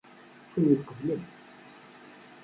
Kunwi tqeblem.